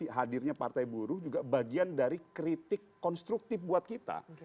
hadirnya partai buruh juga bagian dari kritik konstruktif buat kita